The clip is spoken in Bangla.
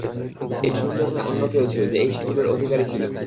ঐ সুন্দর মেয়ে অন্য কেউ ছিলো, যে এই সিঁদুরের অধিকারী ছিলো।